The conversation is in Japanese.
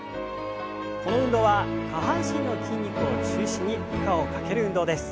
この運動は下半身の筋肉を中心に負荷をかける運動です。